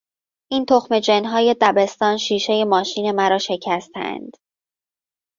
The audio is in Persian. این تخم جنهای دبستان شیشه ماشین مرا شکستند!